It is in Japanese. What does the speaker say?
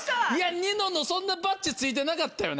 ニノのそんなバッジついてなかったよね？